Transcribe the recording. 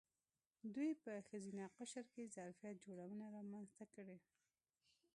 دوی په ښځینه قشر کې ظرفیت جوړونه رامنځته کړې.